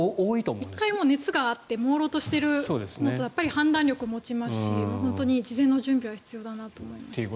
１回熱があってもうろうとしていると判断力が落ちますし事前の準備が必要だなと思いました。